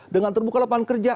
dengan terbuka lapangan kerja